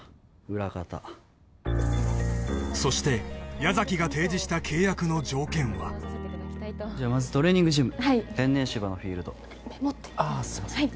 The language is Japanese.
裏方そして矢崎が提示した契約の条件はじゃまずトレーニングジムはい天然芝のフィールドメモってああすいません